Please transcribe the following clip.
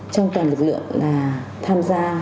trong toàn lực lượng là tham gia